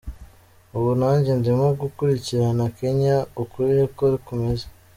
Ubu nanjye ndimo gukurikirana Kenya ukuri uko kumeze.